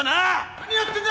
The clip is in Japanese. ・何やってんだ！